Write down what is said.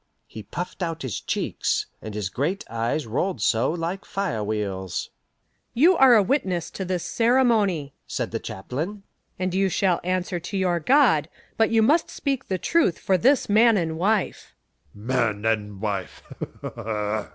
He puffed out his cheeks, and his great eyes rolled so like fire wheels. "You are a witness to this ceremony," said the chaplain. "And you shall answer to your God, but you must speak the truth for this man and wife." "Man and wife?"